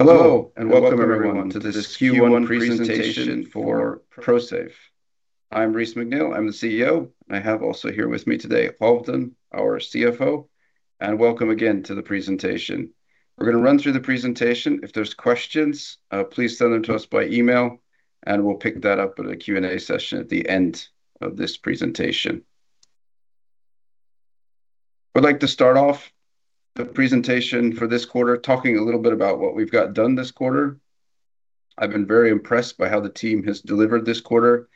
Hello, and welcome everyone to this Q1 presentation for Prosafe. I'm Reese McNeel, I'm the CEO. I have also here with me today Halvdan, our CFO, and welcome again to the presentation. We're going to run through the presentation. If there's questions, please send them to us by email, and we'll pick that up at a Q&A session at the end of this presentation. I'd like to start off the presentation for this quarter talking a little bit about what we've got done this quarter. I've been very impressed by how the team has delivered this quarter.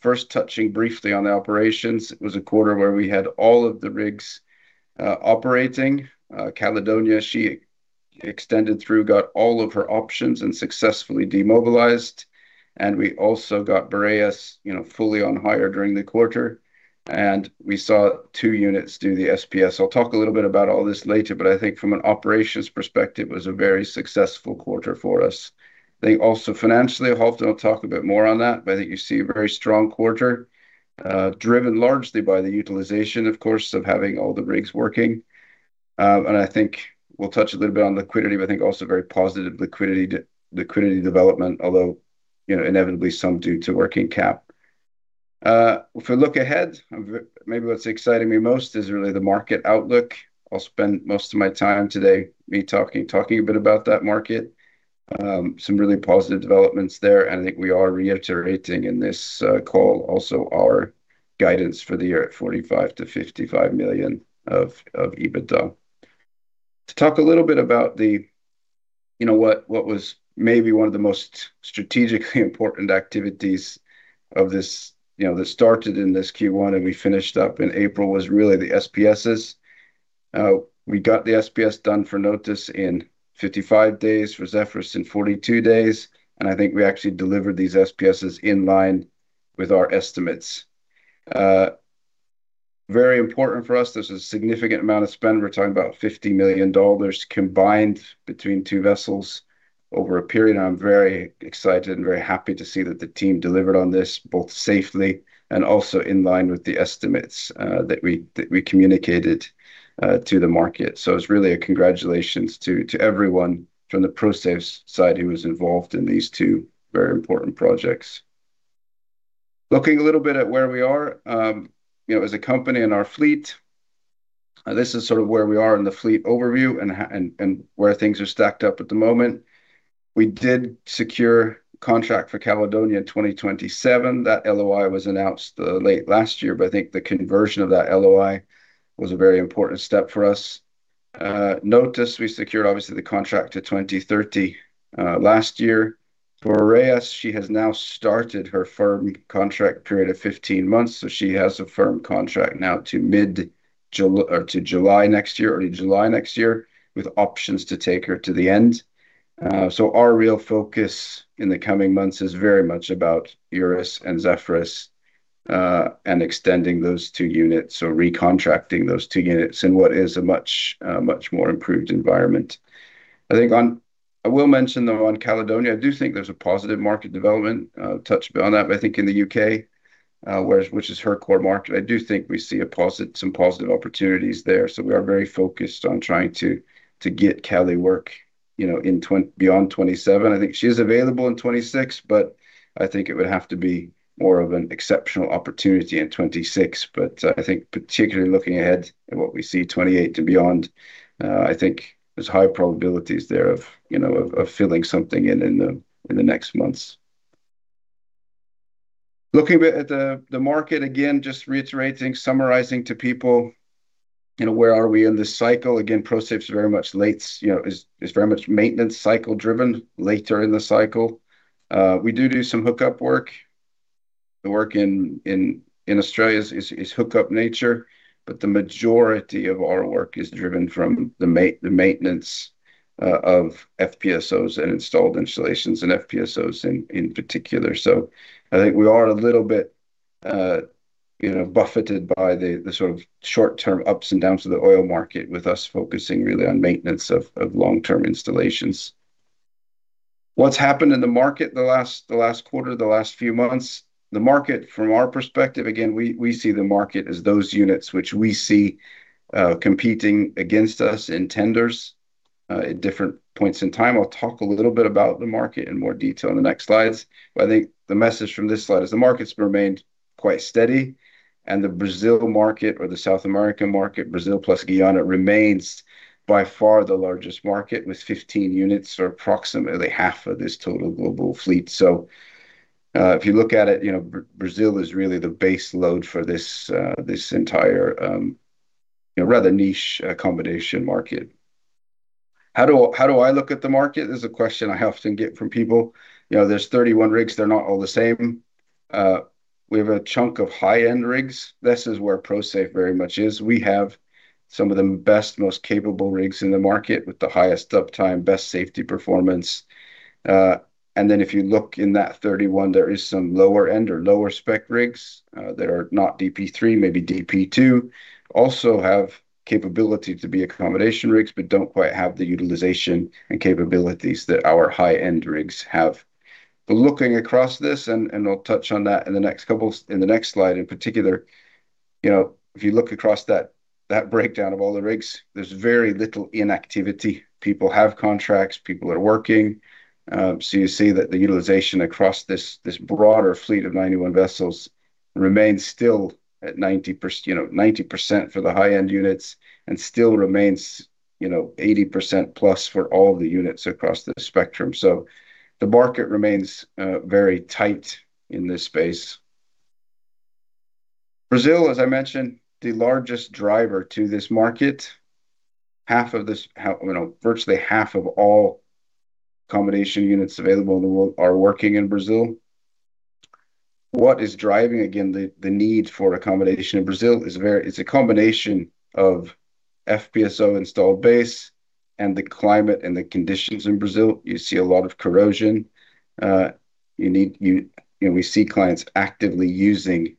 First, touching briefly on the operations, it was a quarter where we had all of the rigs operating. Caledonia, she extended through, got all of her options, and successfully demobilized. We also got Boreas fully on hire during the quarter, and we saw two units do the SPS. I'll talk a little bit about all this later, but I think from an operations perspective, it was a very successful quarter for us. I think also financially, Halvdan will talk a bit more on that, but I think you see a very strong quarter, driven largely by the utilization, of course, of having all the rigs working. I think we'll touch a little bit on liquidity, but I think also very positive liquidity development. Inevitably, some due to working cap. If we look ahead, maybe what's exciting me most is really the market outlook. I'll spend most of my time today me talking a bit about that market. Some really positive developments there, I think we are reiterating in this call also our guidance for the year at $45 million-$55 million of EBITDA. To talk a little bit about what was maybe one of the most strategically important activities that started in this Q1 and we finished up in April, was really the SPSs. We got the SPS done for Notos in 55 days, for Zephyrus in 42 days, and I think we actually delivered these SPSs in line with our estimates. Very important for us. There is a significant amount of spend. We are talking about $50 million combined between two vessels over a period, and I am very excited and very happy to see that the team delivered on this, both safely and also in line with the estimates that we communicated to the market. So it is really a congratulations to everyone from the Prosafe side who was involved in these two very important projects. Looking a little bit at where we are as a company and our fleet. This is sort of where we are in the fleet overview and where things are stacked up at the moment. We did secure contract for Caledonia in 2027. That LOI was announced late last year, but I think the conversion of that LOI was a very important step for us. Notos, we secured, obviously, the contract to 2030 last year. Boreas, she has now started her firm contract period of 15 months, so she has a firm contract now to July next year, early July next year, with options to take her to the end. So our real focus in the coming months is very much about Eurus and Zephyrus, and extending those two units or recontracting those two units in what is a much more improved environment. I will mention, though, on Caledonia, I do think there's a positive market development touched on that. I think in the U.K., which is her core market, I do think we see some positive opportunities there. We are very focused on trying to get Cali work beyond 2027. I think she is available in 2026. I think it would have to be more of an exceptional opportunity in 2026. I think, particularly looking ahead at what we see 2028 to beyond, I think there's high probabilities there of filling something in in the next months. Looking at the market, again, just reiterating, summarizing to people, where are we in this cycle? Prosafe is very much maintenance cycle-driven, late during the cycle. We do some hookup work. The work in Australia is hookup nature, but the majority of our work is driven from the maintenance of FPSOs and installed installations and FPSOs in particular. I think we are a little bit buffeted by the sort of short-term ups and downs of the oil market, with us focusing really on maintenance of long-term installations. What's happened in the market the last quarter, the last few months? The market, from our perspective, again we see the market as those units which we see competing against us in tenders at different points in time. I'll talk a little bit about the market in more detail in the next slides. I think the message from this slide is the market's remained quite steady, and the Brazil market or the South American market, Brazil plus Guyana, remains by far the largest market, with 15 units or approximately half of this total global fleet. If you look at it, Brazil is really the base load for this entire, rather niche accommodation market. How do I look at the market? This is a question I often get from people. There's 31 rigs, they're not all the same. We have a chunk of high-end rigs. This is where Prosafe very much is. We have some of the best, most capable rigs in the market with the highest uptime, best safety performance. If you look in that 31, there is some lower-end or lower-spec rigs that are not DP3, maybe DP2. Have capability to be accommodation rigs, but don't quite have the utilization and capabilities that our high-end rigs have. Looking across this, and I'll touch on that in the next slide in particular. If you look across that breakdown of all the rigs, there's very little inactivity. People have contracts, people are working. You see that the utilization across this broader fleet of 91 vessels remains still at 90% for the high-end units and still remains 80%+ for all the units across the spectrum. The market remains very tight in this space. Brazil, as I mentioned, the largest driver to this market. Virtually half of all accommodation units available in the world are working in Brazil. What is driving, again, the need for accommodation in Brazil? it's a combination of FPSO installed base and the climate, and the conditions in Brazil. You see a lot of corrosion. We see clients actively using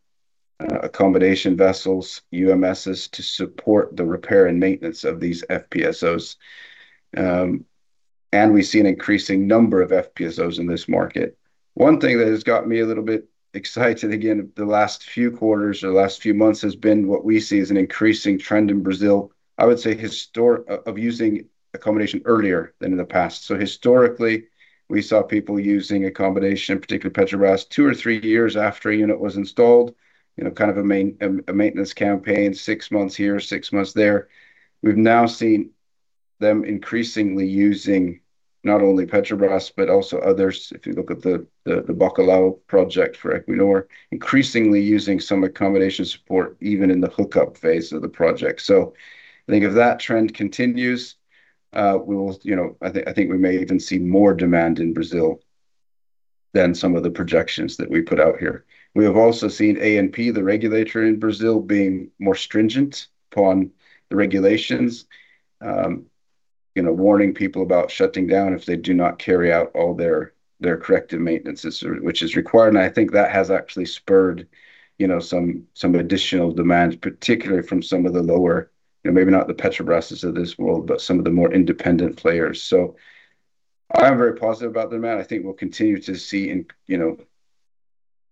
accommodation vessels, UMSs, to support the repair and maintenance of these FPSOs. We see an increasing number of FPSOs in this market. One thing that has got me a little bit excited, again, the last few quarters or the last few months has been what we see as an increasing trend in Brazil, I would say, of using accommodation earlier than in the past. Historically, we saw people using accommodation, in particular Petrobras, two or three years after a unit was installed, kind of a maintenance campaign, six months here, six months there. We've now seen them increasingly using not only Petrobras, but also others, if you look at the Bacalhau project for Equinor, increasingly using some accommodation support even in the hookup phase of the project. I think if that trend continues, I think we may even see more demand in Brazil than some of the projections that we put out here. We have also seen ANP, the regulator in Brazil, being more stringent upon the regulations, warning people about shutting down if they do not carry out all their corrective maintenances which is required. I think that has actually spurred some additional demand, particularly from some of the lower, maybe not the Petrobras of this world, but some of the more independent players. I am very positive about demand. I think we'll continue to see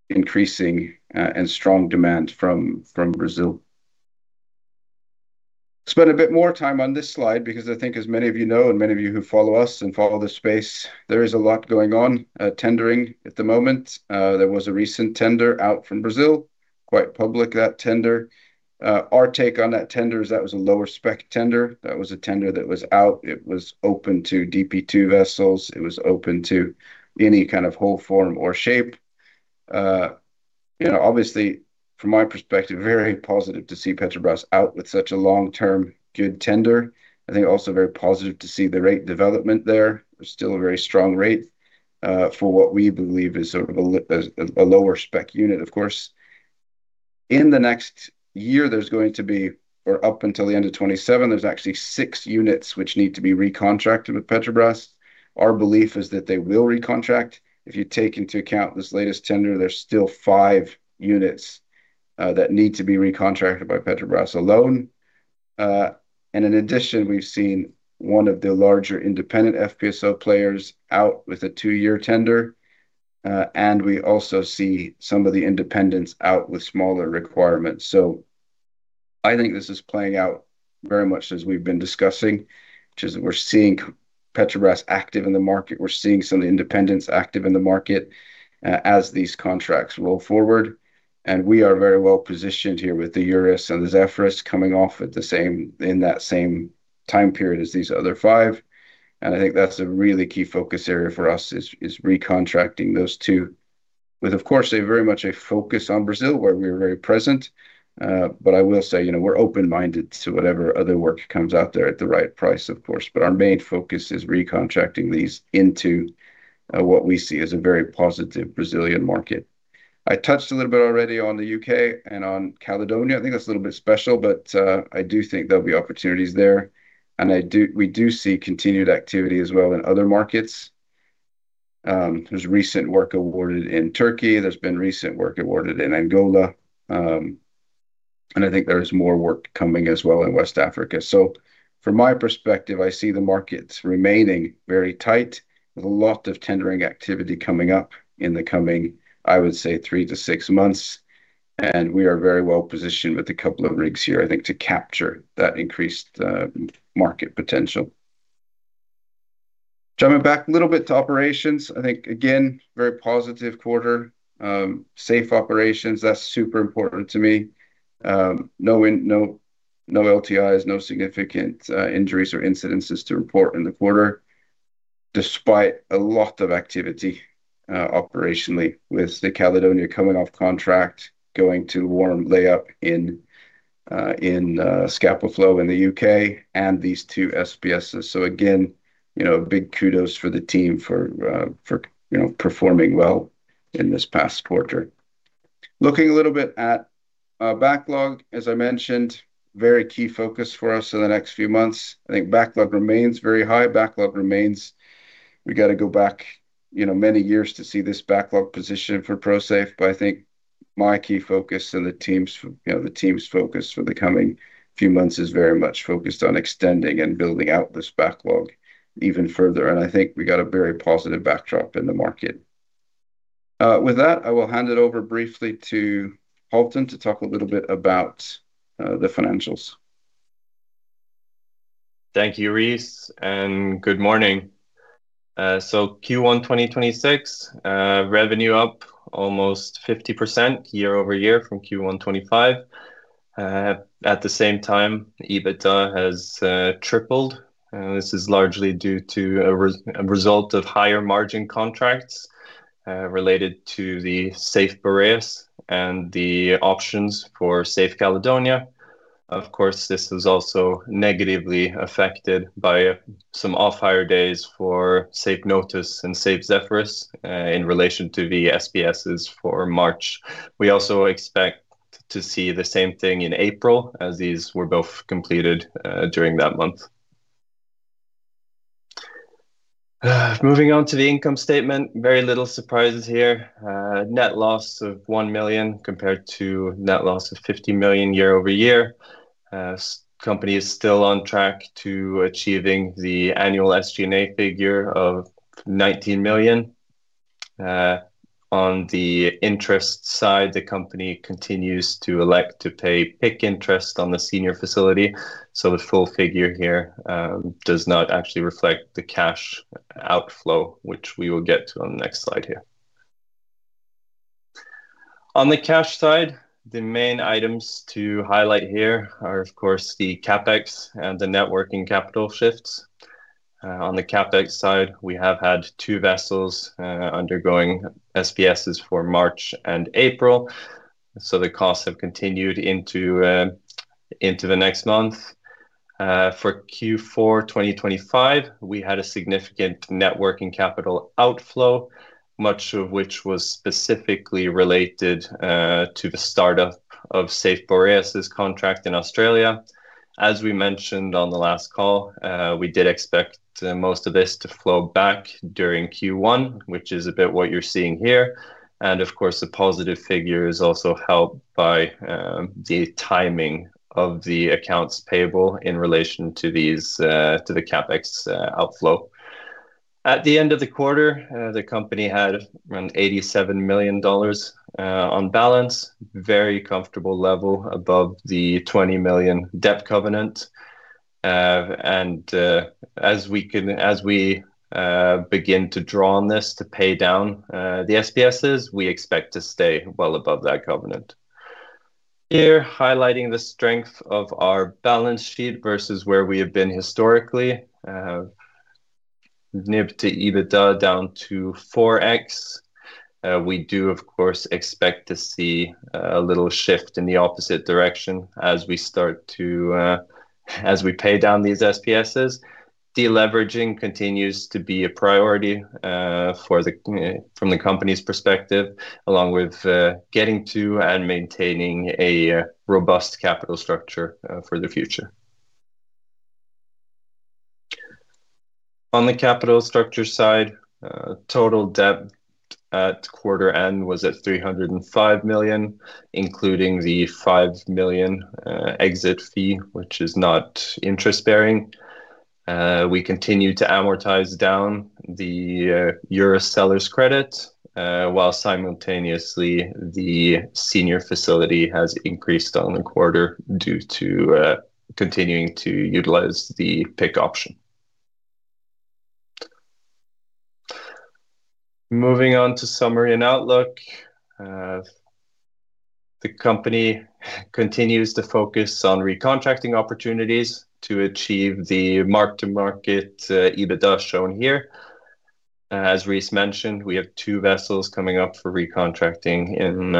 increasing and strong demand from Brazil. Spend a bit more time on this slide because I think, as many of you know, and many of you who follow us and follow this space, there is a lot going on tendering at the moment. There was a recent tender out from Brazil, quite public, that tender. Our take on that tender is that was a lower spec tender. That was a tender that was out. It was open to DP2 vessels. It was open to any kind of hull form or shape. Obviously, from my perspective, very positive to see Petrobras out with such a long-term good tender. I think also very positive to see the rate development there. There's still a very strong rate for what we believe is sort of a lower spec unit, of course. In the next year, there's going to be, or up until the end of 2027, there's actually six units which need to be recontracted with Petrobras. Our belief is that they will recontract. If you take into account this latest tender, there's still five units that need to be recontracted by Petrobras alone. In addition, we've seen one of the larger independent FPSO players out with a two-year tender. We also see some of the independents out with smaller requirements. I think this is playing out very much as we've been discussing, which is we're seeing Petrobras active in the market. We're seeing some of the independents active in the market as these contracts roll forward. We are very well-positioned here with the Eurus and the Zephyrus coming off in that same time period as these other five. I think that's a really key focus area for us is recontracting those two with, of course, very much a focus on Brazil, where we're very present. I will say, we're open-minded to whatever other work comes out there at the right price, of course. Our main focus is recontracting these into what we see as a very positive Brazilian market. I touched a little bit already on the U.K. and on Caledonia. I think that's a little bit special, but I do think there'll be opportunities there. We do see continued activity as well in other markets. There's recent work awarded in Turkey. There's been recent work awarded in Angola. I think there is more work coming as well in West Africa. From my perspective, I see the markets remaining very tight with a lot of tendering activity coming up in the coming, I would say, three to six months, and we are very well positioned with a couple of rigs here, I think, to capture that increased market potential. Jumping back a little bit to operations, I think, again, very positive quarter. Safe operations, that's super important to me. No LTIs, no significant injuries or incidences to report in the quarter, despite a lot of activity operationally with the Caledonia coming off contract, going to warm lay-up in Scapa Flow in the U.K., and these two SPSs. Again, big kudos for the team for performing well in this past quarter. Looking a little bit at backlog, as I mentioned, very key focus for us in the next few months. I think backlog remains very high. Backlog remains. We got to go back many years to see this backlog position for Prosafe. I think my key focus and the team's focus for the coming few months is very much focused on extending and building out this backlog even further. I think we got a very positive backdrop in the market. With that, I will hand it over briefly to Halvdan to talk a little bit about the financials. Thank you, Reese, and good morning. Q1 2026, revenue up almost 50% year-over-year from Q1 2025. At the same time, EBITDA has tripled. This is largely due to a result of higher margin contracts related to the Safe Boreas and the options for Safe Caledonia. Of course, this is also negatively affected by some off-hire days for Safe Notos and Safe Zephyrus in relation to the SPS for March. We also expect to see the same thing in April, as these were both completed during that month. Moving on to the income statement, very little surprises here. Net loss of $1 million compared to net loss of $50 million year-over-year. Company is still on track to achieving the annual SG&A figure of $19 million. On the interest side, the company continues to elect to pay PIK interest on the senior facility. The full figure here does not actually reflect the cash outflow, which we will get to on the next slide here. On the cash side, the main items to highlight here are, of course, the CapEx and the net working capital shifts. On the CapEx side, we have had two vessels undergoing SPS for March and April, so the costs have continued into the next month. For Q4 2025, we had a significant net working capital outflow, much of which was specifically related to the startup of Safe Boreas' contract in Australia. As we mentioned on the last call, we did expect most of this to flow back during Q1, which is a bit what you're seeing here. Of course, the positive figure is also helped by the timing of the accounts payable in relation to the CapEx outflow. At the end of the quarter, the company had around $87 million on balance, very comfortable level above the $20 million debt covenant. As we begin to draw on this to pay down the SPSs, we expect to stay well above that covenant. Here, highlighting the strength of our balance sheet versus where we have been historically. NIB to EBITDA down to 4x. We do, of course, expect to see a little shift in the opposite direction as we pay down these SPSs. Deleveraging continues to be a priority from the company's perspective, along with getting to and maintaining a robust capital structure for the future. On the capital structure side, total debt at quarter end was at $305 million, including the $5 million exit fee, which is not interest-bearing. We continue to amortize down the EUR seller's credit, while simultaneously the senior facility has increased on the quarter due to continuing to utilize the PIK option. Moving on to summary and outlook. The company continues to focus on recontracting opportunities to achieve the mark-to-market EBITDA shown here. As Reese mentioned, we have two vessels coming up for recontracting in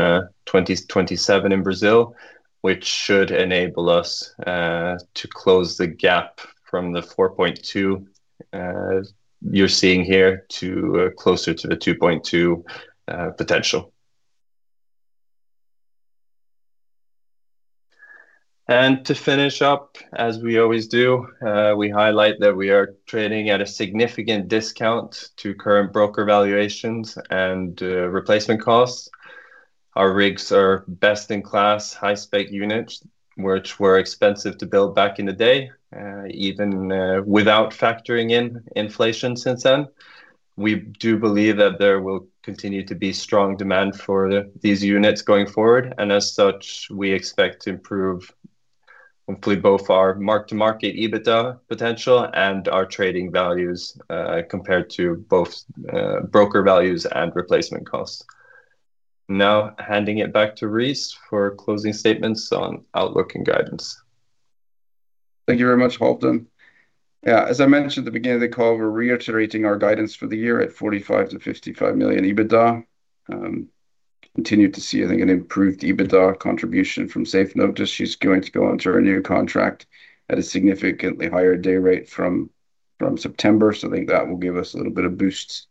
2027 in Brazil, which should enable us to close the gap from the 4.2 you're seeing here to closer to the 2.2 potential. To finish up, as we always do, we highlight that we are trading at a significant discount to current broker valuations and replacement costs. Our rigs are best-in-class high-spec units, which were expensive to build back in the day, even without factoring in inflation since then. We do believe that there will continue to be strong demand for these units going forward, and as such, we expect to improve hopefully both our mark-to-market EBITDA potential and our trading values, compared to both broker values and replacement costs. Handing it back to Reese for closing statements on outlook and guidance. Thank you very much, Halvdan. Yeah, as I mentioned at the beginning of the call, we're reiterating our guidance for the year at $45 million-$55 million EBITDA. Continue to see, I think, an improved EBITDA contribution from Safe Notos. She's going to go on to her new contract at a significantly higher day rate from September. I think that will give us a little bit of boost.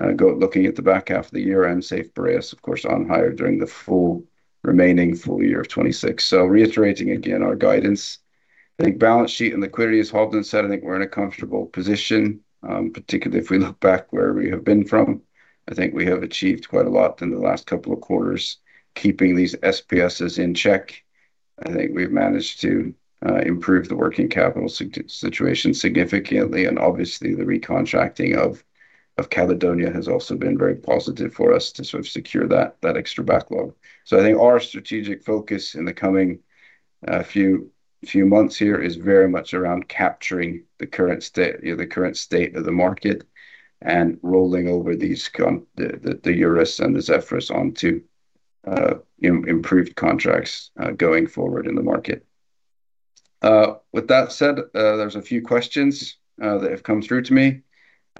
Looking at the back half of the year and Safe Boreas, of course, on hire during the remaining full year of 2026. Reiterating again our guidance. I think balance sheet and liquidity, as Halvdan said, I think we're in a comfortable position, particularly if we look back where we have been from. I think we have achieved quite a lot in the last couple of quarters, keeping these SPS in check. I think we've managed to improve the working capital situation significantly, and obviously, the recontracting of Caledonia has also been very positive for us to sort of secure that extra backlog. I think our strategic focus in the coming few months here is very much around capturing the current state of the market and rolling over the Eurus and the Zephyrus onto improved contracts going forward in the market. With that said, there's a few questions that have come through to me,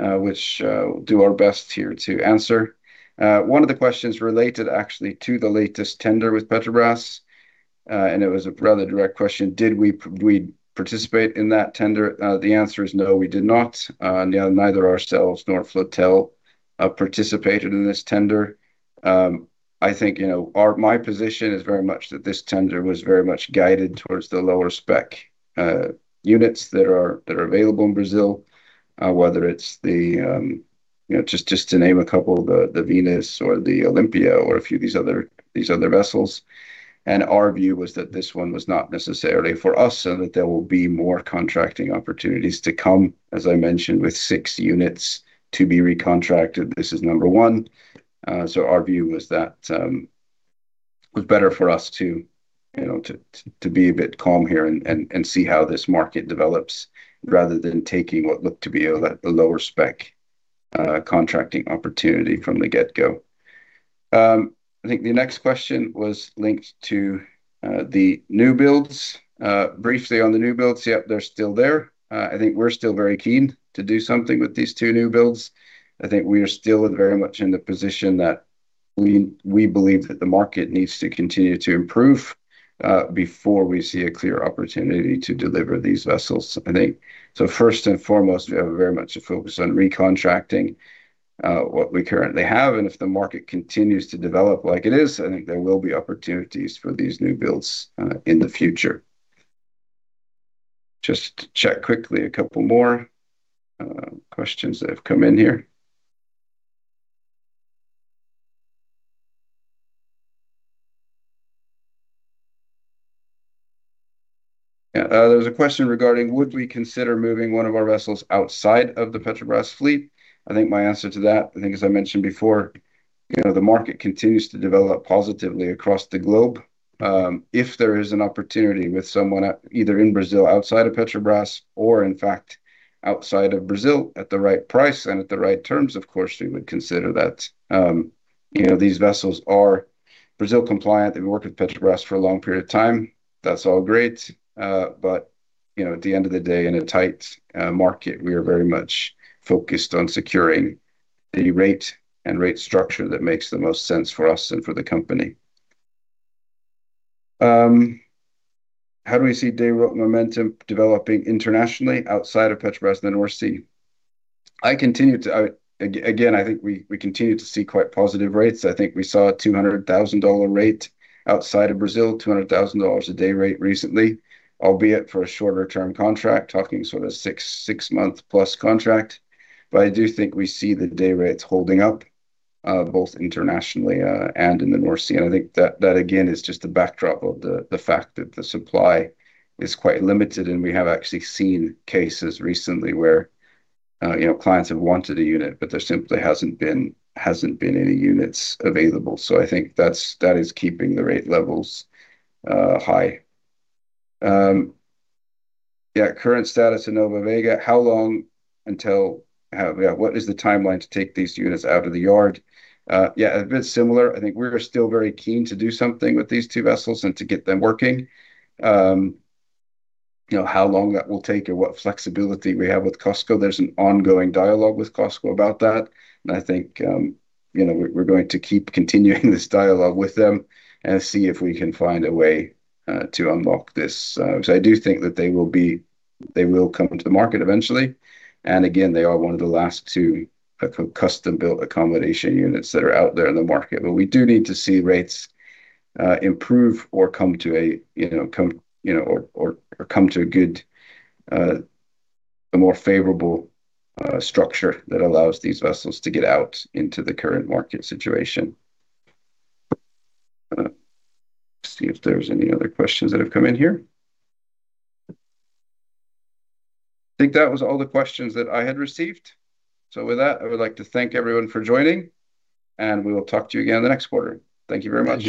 which we'll do our best here to answer. One of the questions related actually to the latest tender with Petrobras, and it was a rather direct question: did we participate in that tender? The answer is no, we did not. Neither ourselves nor Floatel participated in this tender. I think my position is very much that this tender was very much guided towards the lower spec units that are available in Brazil, whether it's the, just to name a couple, the Venus or the Olympia or a few these other vessels. Our view was that this one was not necessarily for us, and that there will be more contracting opportunities to come. As I mentioned, with six units to be recontracted, this is number one. Our view was that it was better for us to be a bit calm here and see how this market develops rather than taking what looked to be a lower spec contracting opportunity from the get-go. I think the next question was linked to the new builds. Briefly on the new builds, yep, they're still there. I think we're still very keen to do something with these two new builds. I think we are still very much in the position that we believe that the market needs to continue to improve before we see a clear opportunity to deliver these vessels. First and foremost, we have very much a focus on recontracting what we currently have. If the market continues to develop like it is, I think there will be opportunities for these new builds in the future. Just check quickly a couple more questions that have come in here. There was a question regarding would we consider moving one of our vessels outside of the Petrobras fleet. I think my answer to that, I think as I mentioned before, the market continues to develop positively across the globe. If there is an opportunity with someone either in Brazil, outside of Petrobras, or in fact outside of Brazil at the right price and at the right terms, of course, we would consider that. These vessels are Brazil-compliant. They've worked with Petrobras for a long period of time. That's all great. At the end of the day, in a tight market, we are very much focused on securing the rate and rate structure that makes the most sense for us and for the company. How do we see day rate momentum developing internationally outside of Petrobras and the North Sea? Again, I think we continue to see quite positive rates. I think we saw a $200,000 rate outside of Brazil, a $200,000 a day rate recently, albeit for a shorter-term contract, talking sort of six-month-plus contract. I do think we see the day rates holding up, both internationally and in the North Sea. I think that again is just a backdrop of the fact that the supply is quite limited, and we have actually seen cases recently where clients have wanted a unit, but there simply hasn't been any units available. I think that is keeping the rate levels high. Current status of Nova, Vega, what is the timeline to take these units out of the yard? A bit similar. I think we're still very keen to do something with these two vessels and to get them working. How long that will take or what flexibility we have with COSCO, there's an ongoing dialogue with COSCO about that, and I think we're going to keep continuing this dialogue with them and see if we can find a way to unlock this. I do think that they will come into the market eventually. Again, they are one of the last two custom-built accommodation units that are out there in the market. We do need to see rates improve or come to a good, a more favorable structure that allows these vessels to get out into the current market situation. Let's see if there's any other questions that have come in here. I think that was all the questions that I had received. With that, I would like to thank everyone for joining, and we will talk to you again the next quarter. Thank you very much.